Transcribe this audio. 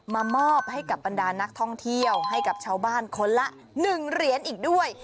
มามอบให้กับบรรดานักท่องเที่ยวให้กับชาวบ้านคนละ๑เหรียญอีกด้วย